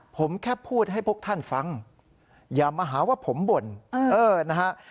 ผมแค่พูดให้พวกท่านฟังอย่ามาหาว่าผมบ่นเออนะฮะ